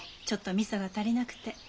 ちょっと味噌が足りなくて。